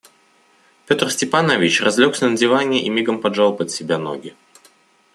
Петр Степанович разлегся на диване и мигом поджал под себя ноги.